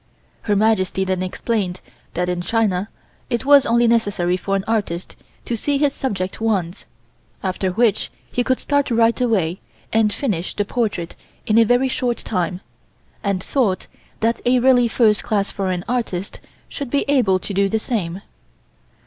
Her Majesty then explained that in China it was only necessary for an artist to see his subject once, after which he could start right away and finish the portrait in a very short time, and thought that a really first class foreign artist should be able to do the same.